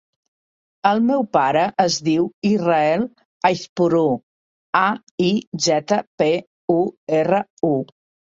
El meu pare es diu Israel Aizpuru: a, i, zeta, pe, u, erra, u.